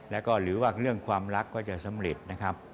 แล้วก็หรือว่าเรื่องความรักก็จะสำเร็จนะครับ